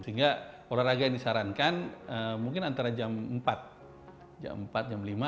jadi ya olahraga yang disarankan mungkin antara jam empat jam empat jam lima